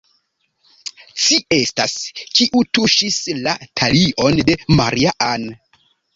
ci estas, kiu tuŝis la talion de Maria-Ann!